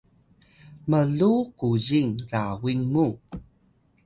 mluw kuzing rawin mu